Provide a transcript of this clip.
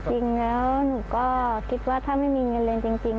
จริงแล้วหนูก็คิดว่าถ้าไม่มีเงินเรียนจริง